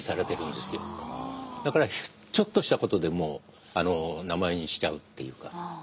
だからちょっとしたことでも名前にしちゃうっていうか。